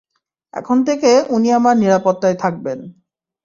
এখন থেকে উনি আমার নিরাপত্তায় থাকবেন।